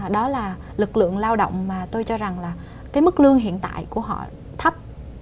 đó là lực lượng lao động mà tôi cho rằng là cái mức lương hiện tại của họ thấp